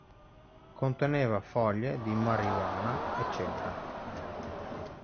Conteneva foglie di marijuana etc.